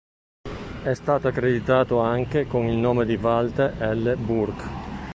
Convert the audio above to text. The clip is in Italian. È stato accreditato anche con il nome Walter L. Burke.